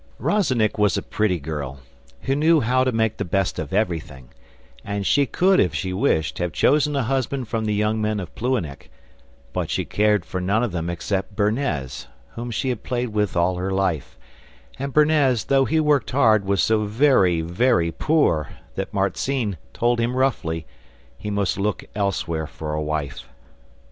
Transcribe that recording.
Rozennik was a pretty girl, who knew how to make the best of everything, and she could, if she wished, have chosen a husband from the young men of Plouhinec, but she cared for none of them except Bernez, whom she had played with all her life, and Bernez, though he worked hard, was so very very poor that Marzinne told him roughly he must look elsewhere for a wife.